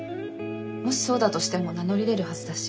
もしそうだとしても名乗り出るはずだし。